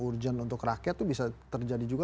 urgent untuk rakyat itu bisa terjadi juga